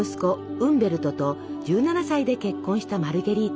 ウンベルトと１７歳で結婚したマルゲリータ。